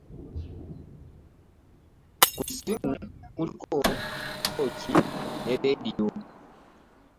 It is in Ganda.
Ku ssimu kuliko tocci ne leediyo.